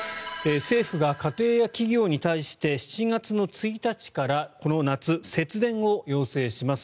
政府が家庭や企業に対して７月の１日からこの夏、節電を要請します。